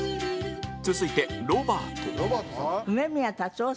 続いてロバート